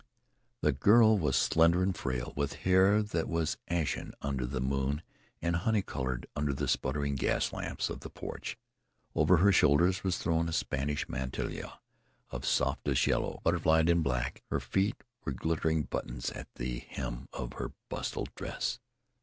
The girl was slender and frail, with hair that was ashen under the moon and honey coloured under the sputtering gas lamps of the porch. Over her shoulders was thrown a Spanish mantilla of softest yellow, butterflied in black; her feet were glittering buttons at the hem of her bustled dress.